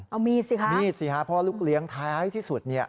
เอามีดสิคะมีดสิฮะเพราะลูกเลี้ยงท้ายที่สุดเนี่ย